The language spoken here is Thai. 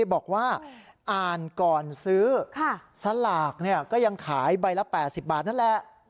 บอกว่าอ่านก่อนซื้อสลากก็ยังขายใบละ๘๐บาทนั่นแหละ